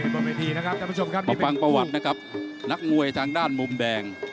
ก็ฟังประวัตินะครับนักมวยทางด้านมุมแดง